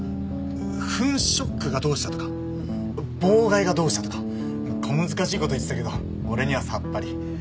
フンショックがどうしたとかボーガイがどうしたとか小難しい事言ってたけど俺にはさっぱり。